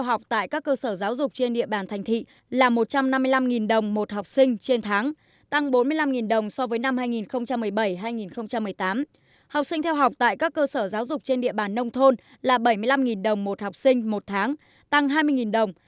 học sinh theo học tại các cơ sở giáo dục trên địa bàn nông thôn là bảy mươi năm đồng một học sinh một tháng tăng hai mươi đồng